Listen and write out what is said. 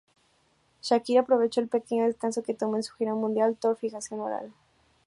Shakira aprovechó el pequeño descansó que tomó en su gira mundial Tour Fijación Oral.